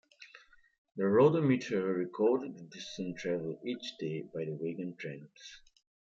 The "Roadometer" recorded the distance traveled each day by the wagon trains.